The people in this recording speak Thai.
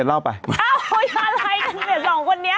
เอ้าอย่าลายกันเนี่ยสองคนนี้